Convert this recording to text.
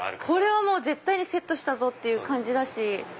これは絶対にセットしたぞ！っていう感じだし。